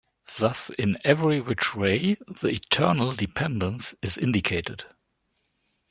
Thus in every which way, the eternal dependence is indicated.